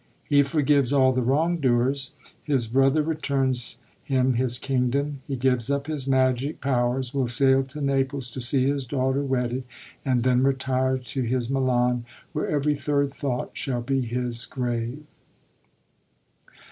He forgives all the wrongdoers ; his brother returns him his kingdom ; he gives up his magic powers, will sail to Naples to see his daughter wedded, and then retire to his Milan, where every third thought shall be his grave.